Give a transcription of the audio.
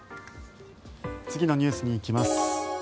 次のニュースに行きます。